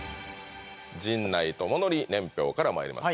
陣内智則年表からまいります